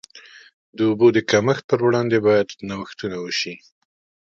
د اوبو د کمښت پر وړاندې باید نوښتونه وشي.